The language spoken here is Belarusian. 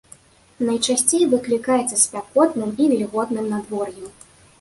Найчасцей выклікаецца спякотным і вільготным надвор'ем.